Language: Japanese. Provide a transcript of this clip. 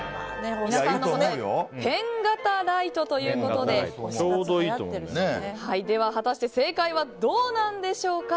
皆さんの答えはペン型ライトということで果たして正解はどうなんでしょうか。